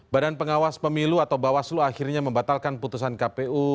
badan pengawas pemilu atau bawaslu akhirnya membatalkan putusan kpu